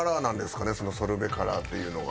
そのソルベカラーっていうのは。